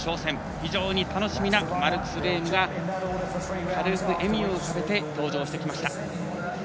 非常に楽しみなマルクス・レームが軽く笑みを浮かべて登場してきました。